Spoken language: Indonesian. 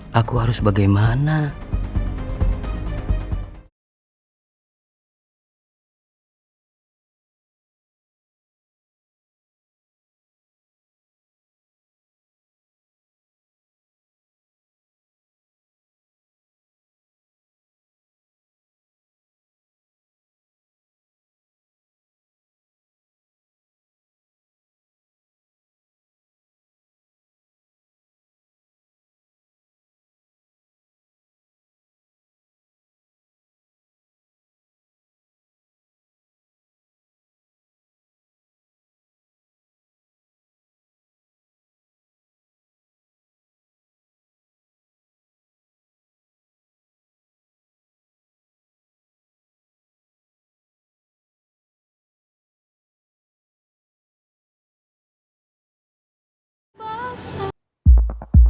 kayaknya sudah nama nama pasangnya ya